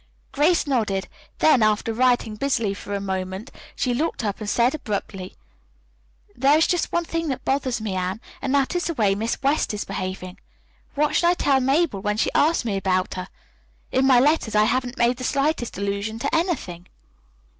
Grace nodded. Then, after writing busily for a moment, she looked up and said abruptly: "There is just one thing that bothers me, Anne, and that is the way Miss West is behaving. What shall I tell Mabel when she asks me about her? In my letters I haven't made the slightest allusion to anything."